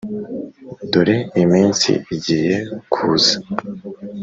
Dore iminsi igiye kuza